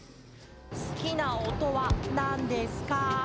「すきなおとはなんですか？」。